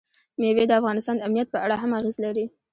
مېوې د افغانستان د امنیت په اړه هم اغېز لري.